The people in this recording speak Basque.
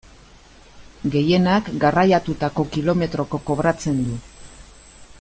Gehienak garraiatutako kilometroko kobratzen du.